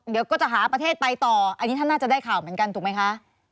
เดี๋ยวก็จะหาประเทศไปต่ออันนี้ท่านน่าจะได้ข่าวเหมือนกันถูกไหมคะ